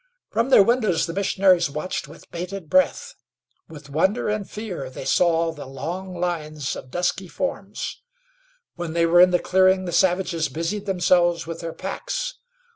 From their windows the missionaries watched with bated breath; with wonder and fear they saw the long lines of dusky forms. When they were in the clearing the savages busied themselves with their packs.